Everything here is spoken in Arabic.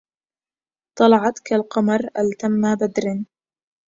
طلعت كالقمر التم بدر